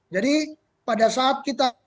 jadi pada saat kita